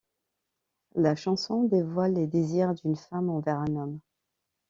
La chanson dévoile les désirs d'une femme envers un homme.